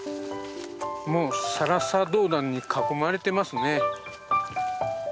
もうサラサドウダンに囲まれてますね。